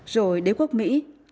rồi đế quốc mỹ